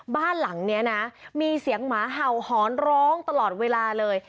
บ้านหลังนี้นะมีเสียงหมาเห่าหอนร้องตลอดเวลาเลย